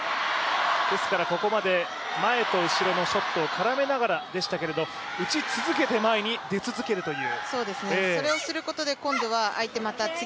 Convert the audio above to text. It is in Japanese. ここまで前と後ろのショットを絡めながらでしたけど打ち続けて前に出続けるという。